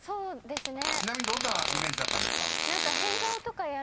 ［ちなみにどんなイメージだったんですか？］